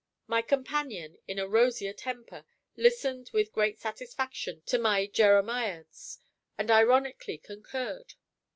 My companion, in a rosier temper, listened with great satisfaction to my Jeremiads, and ironically concurred.